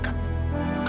kamu buat mereka